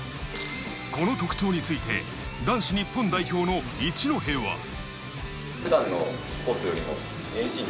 この特徴について、男子日本代表の一戸は。